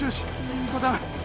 いい子だ。